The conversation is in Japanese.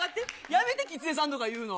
やめて「きつねさん」とか言うの。